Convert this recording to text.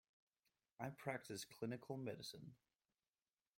I practice clinical medicine.